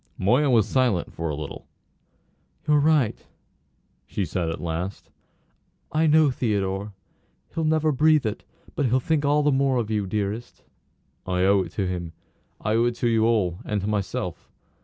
Moya was silent for a little. "You're right," she said at last. "I know Theodore. He'll never breathe it; but he'll think all the more of you, dearest." "I owe it to him. I owe it to you all, and to myself.